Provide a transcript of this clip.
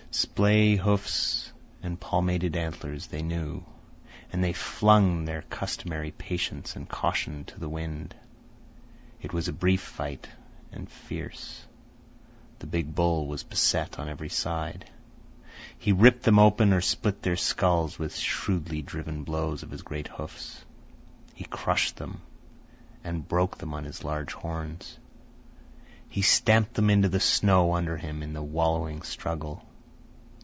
Splay hoofs and palmated antlers they knew, and they flung their customary patience and caution to the wind. It was a brief fight and fierce. The big bull was beset on every side. He ripped them open or split their skulls with shrewdly driven blows of his great hoofs. He crushed them and broke them on his large horns. He stamped them into the snow under him in the wallowing struggle.